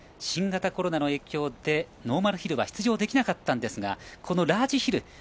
新型コロナの影響でノーマルヒルは出場できなかったんですがこのラージヒル